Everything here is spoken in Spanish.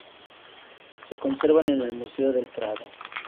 Se conservan en el Museo del Prado.